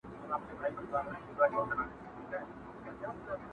• مګر اوس نوی دور نوی فکر نوی افغان..